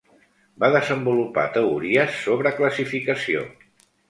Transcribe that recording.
Va desenvolupar teories sobre classificació.